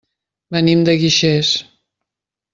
Venim de Guixers.